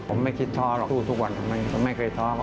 ผมไม่คิดท้อหรอกสู้ทุกวันผมไม่เคยท้อ